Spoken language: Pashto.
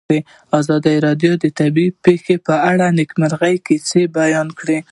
ازادي راډیو د طبیعي پېښې په اړه د نېکمرغۍ کیسې بیان کړې.